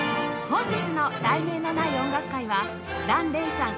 本日の『題名のない音楽会』は檀れいさん